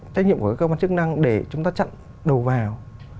trách nhiệm của các cơ quan chức năng để chúng ta chặn đầu vào